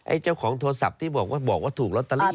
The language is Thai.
เจ้าของโทรศัพท์ที่บอกว่าถูกลอตเตอรี่